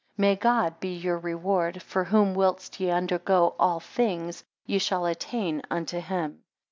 10 May God be your reward, for whom whilst ye undergo all things, ye shall attain unto him.